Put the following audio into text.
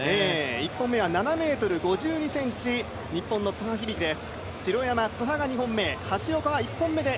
１本目は７ｍ５２ｃｍ、日本の津波響樹です。